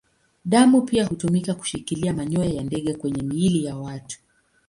Damu pia hutumika kushikilia manyoya ya ndege kwenye miili ya watu.